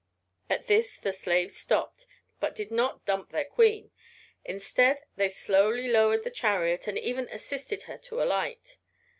At this the slaves stopped, but did not dump their queen. Instead, they slowly lowered the chariot, and even assisted her to alight.